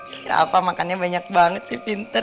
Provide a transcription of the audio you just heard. kira apa makannya banyak banget sih pinter